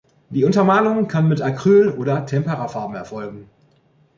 Die Untermalung kann mit Acryl- oder Temperafarben erfolgen.